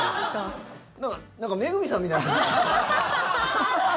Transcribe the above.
なんか、恵さんみたいな。